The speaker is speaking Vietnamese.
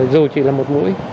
dù chỉ là một mũi